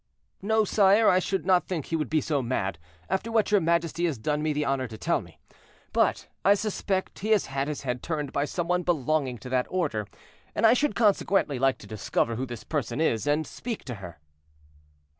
"No, sire, I should not think he would be so mad, after what your majesty has done me the honor to tell me; but I suspect he has had his head turned by some one belonging to that order, and I should consequently like to discover who this person is, and speak to her."